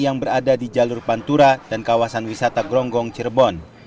yang berada di jalur pantura dan kawasan wisata gronggong cirebon